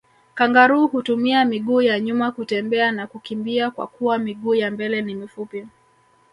Kangaroo hutumia miguu ya nyuma kutembea na kukimbia kwakuwa miguu ya mbele ni mifupi